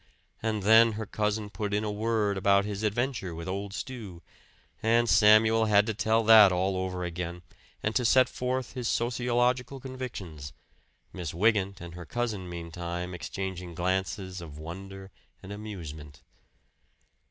And then her cousin put in a word about his adventure with "Old Stew," and Samuel had to tell that all over again, and to set forth his sociological convictions Miss Wygant and her cousin meantime exchanging glances of wonder and amusement.